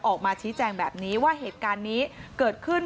ออกมาชี้แจงแบบนี้ว่าเหตุการณ์นี้เกิดขึ้น